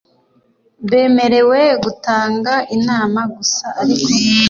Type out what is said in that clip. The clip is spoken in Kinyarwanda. bemerewe gutanga inama gusa ariko